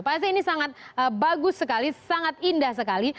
pasti ini sangat bagus sekali sangat indah sekali